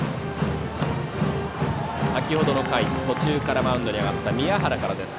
先程の回、途中からマウンドに上がった宮原からです。